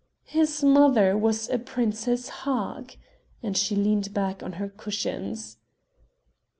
"His mother was a Princess Hag," and she leaned back on her cushions.